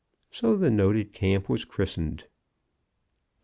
So the noted camp was christened.